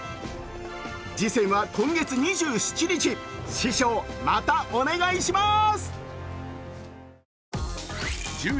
次戦は今月２７日、師匠またお願いします。